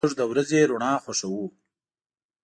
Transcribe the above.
موږ د ورځې رڼا خوښو.